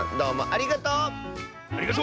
ありがとう！